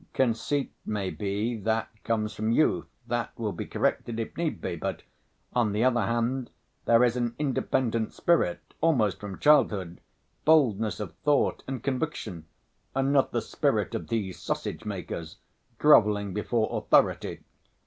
Conceit may be, that comes from youth, that will be corrected if need be, but, on the other hand, there is an independent spirit almost from childhood, boldness of thought and conviction, and not the spirit of these sausage makers, groveling before authority....